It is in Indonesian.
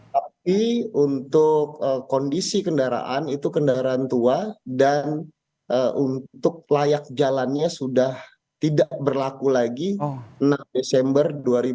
tapi untuk kondisi kendaraan itu kendaraan tua dan untuk layak jalannya sudah tidak berlaku lagi enam desember dua ribu dua puluh